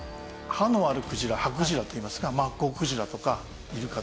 歯のあるクジラハクジラといいますがマッコウクジラとかイルカとか。